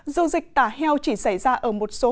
dù dịch tả heo chỉ xảy ra ở một số